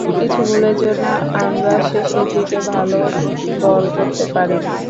কিছু ভুলের জন্য আমরা শেষের দিকে ভালো বল করতে পারিনি।